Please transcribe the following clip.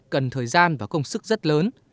cần thời gian và công sức rất lớn